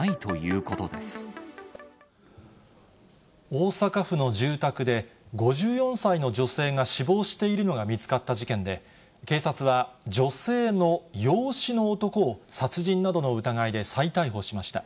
大阪府の住宅で、５４歳の女性が死亡しているのが見つかった事件で、警察は女性の養子の男を殺人などの疑いで再逮捕しました。